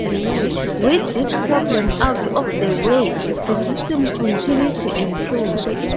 With this problem out of the way the system continued to improve.